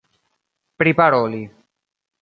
priparoli